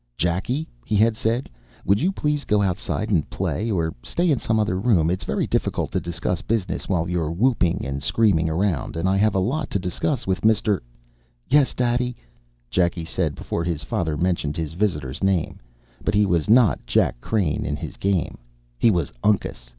"Jackie," he had said, "would you please go outside and play, or stay in some other room. It's very difficult to discuss business while you're whooping and screaming around, and I have a lot to discuss with Mr. " "Yes, Daddy," Jack said before his father mentioned his visitor's name. But he was not Jack Crane in his game; he was Uncas.